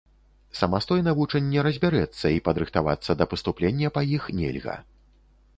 Самастойна вучань не разбярэцца, і падрыхтавацца да паступлення па іх нельга.